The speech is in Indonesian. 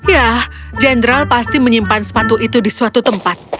ya jenderal pasti menyimpan sepatu itu di suatu tempat